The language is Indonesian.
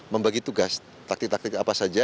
membagi tugas taktik taktik apa saja